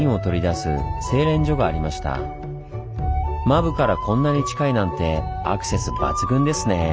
間歩からこんなに近いなんてアクセス抜群ですねぇ。